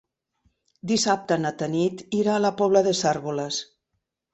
Dissabte na Tanit irà a la Pobla de Cérvoles.